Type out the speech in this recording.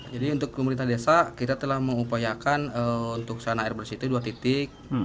jadi untuk pemerintah desa kita telah mengupayakan untuk sana air bersih itu dua titik